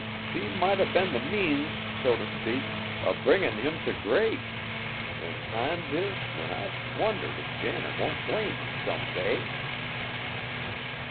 She might 'a' been the means, so t' speak, o' bringin' him t' grace; an' times is when I've wondered if Janet won't blame me some day."